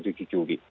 sampai jadi ini